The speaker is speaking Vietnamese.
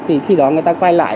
thì khi đó người ta quay lại